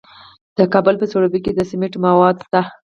د کابل په سروبي کې د سمنټو مواد شته.